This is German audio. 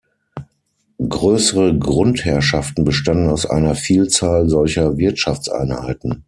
Größere Grundherrschaften bestanden aus einer Vielzahl solcher Wirtschaftseinheiten.